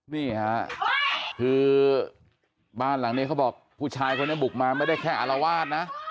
นี่ค่ะคือบ้านหลังนี้เขาบอกผู้ชายคนนี้บุกมาไม่ได้แค่อารวาสนะ